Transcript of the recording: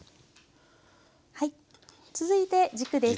続いて軸です。